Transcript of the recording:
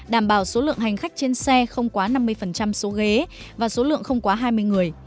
đảm bảo số lượng hành khách trên xe không quá năm mươi số ghế và số lượng không quá hai mươi người